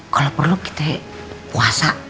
kalo perlu kita puasa